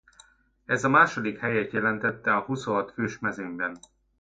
Ez a második helyet jelentette a huszonhat fős mezőnyben.